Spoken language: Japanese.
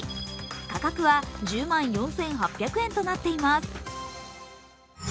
価格は１０万４８００円となっています。